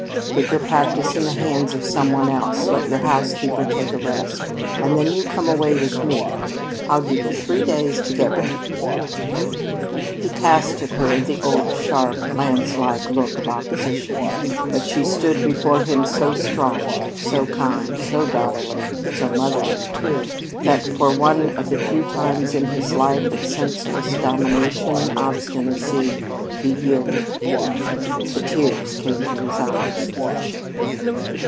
Put your practice in the hands of some one else, let your housekeeper take a rest, and then you come away with me. I'll give you three days to get ready." He cast at her the old sharp, lance like look of opposition, but she stood before him so strong, so kind, so daughterly (so motherly, too), that, for one of the few times in his life of senseless domination and obstinacy, he yielded. The tears came to his eyes.